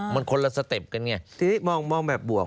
มันคนละสเต็ปกันไงทีนี้มองแบบบวก